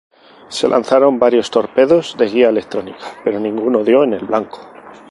Se lanzaron varios torpedos de guía electrónica, pero ninguno dio en el blanco.